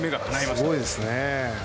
すごいですね。